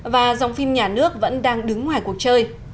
và dòng phim nhà nước vẫn đang đứng ngoài cuộc chơi